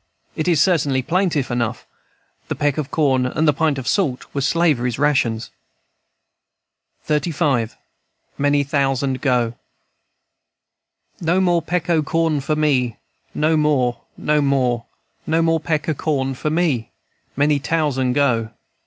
It is certainly plaintive enough. The peck of corn and pint of salt were slavery's rations. XXXV. MANY THOUSAND GO. "No more peck o' corn for me, No more, no more, No more peck o' corn for me, Many tousand go.